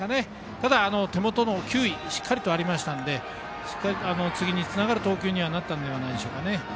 ただ、手元の球威はしっかりあったので次につながる投球にはなったんじゃないでしょうか。